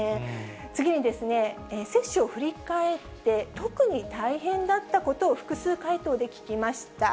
次に、接種を振り返って、特に大変だったことを複数回答で聞きました。